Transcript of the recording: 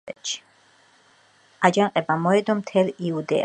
აჯანყება მოედო მთელ იუდეას.